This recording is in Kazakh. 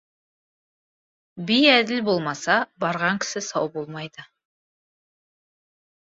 Би әділ болмаса, барған кісі сау болмайды.